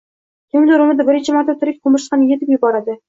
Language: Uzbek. kimdir umrida birinchi marta tirik qumirsqani yutib yuboradi